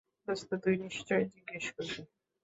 দোস্ত, তুই নিশ্চয়ই জিজ্ঞেস করবি।